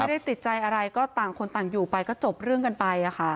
ไม่ได้ติดใจอะไรก็ต่างคนต่างอยู่ไปก็จบเรื่องกันไป